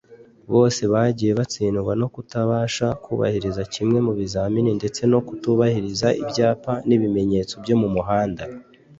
bose bagiye batsindwa no kutabasha kubahiriza kimwe mu bizamini ndetse no kutubahiriza ibyapa n’ibimenyetso byo mu muhanda